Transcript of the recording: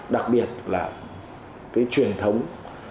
đặc biệt là cái truyền thống